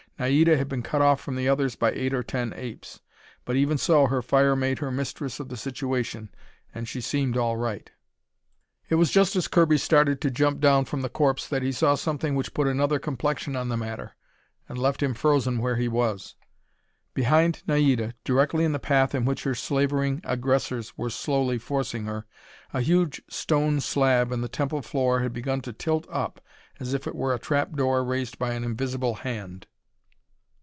Naida had been cut off from the others by eight or ten apes. But even so her fire made her mistress of the situation, and she seemed all right. It was just as Kirby started to jump down from the corpse that he saw something which put another complexion on the matter, and left him frozen where he was. Behind Naida, directly in the path in which her slavering aggressors were slowly forcing her, a huge stone slab in the temple floor had begun to tilt up as if it were a trapdoor raised by an invisible hand.